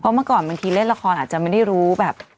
เพราะเมื่อก่อนบางทีเล่นลักษณ์อาจจะไม่ได้รู้แบบ